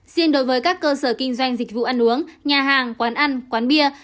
riêng đối với các cơ sở kinh doanh dịch vụ ăn uống nhà hàng quán ăn quán bia